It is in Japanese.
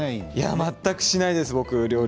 全くしないです。